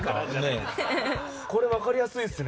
これわかりやすいですね。